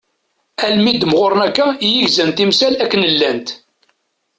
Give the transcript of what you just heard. Almi i d-mɣuren akka i gzan timsal akken llant.